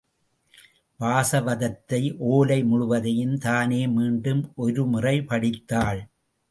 வாசவதத்தை ஓலை முழுவதையும் தானே மீண்டும் ஒருமுறை படித்தாள்.